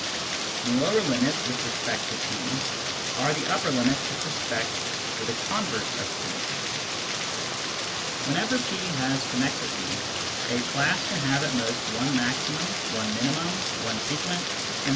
The " lower limits " with respect to P are the upper limits with respect to the converse of P. Whenever P has connexity, a class can have at most one maximum, one minimum, one sequent, etc.